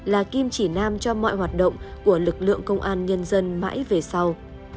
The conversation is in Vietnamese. là kim chỉ nam cho mọi hoạt động của lực lượng công an nhân dân mãi về sau